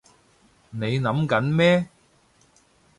你諗緊咩？